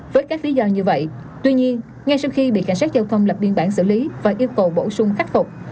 với các lý do như vậy tuy nhiên ngay sau khi bị cảnh sát giao thông lập biên bản xử lý và yêu cầu bổ sung khắc phục